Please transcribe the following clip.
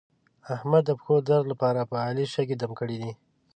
احمد د پښو درد لپاره په علي شګې دم کړې دي.